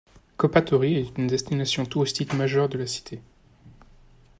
Kauppatori est une destination touristique majeure de la cité.